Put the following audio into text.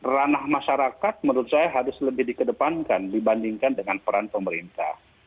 ranah masyarakat menurut saya harus lebih dikedepankan dibandingkan dengan peran pemerintah